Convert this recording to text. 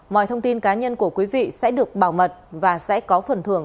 mọi thông tin cá nhân của quý vị sẽ được bảo mật và sẽ có phần thưởng